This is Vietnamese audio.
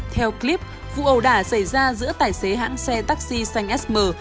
theo clip vụ ẩu đả xảy ra giữa tài xế hãng xe taxi xanh sm